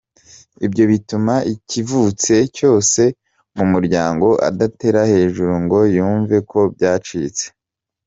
Ibyo bituma ikivutse cyose mu muryango adatera hejuru ngo yumve ko byacitse.